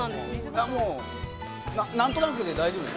◆あ、もう、何となくで大丈夫です。